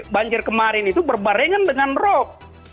banjir kemarin itu berbarengan dengan rob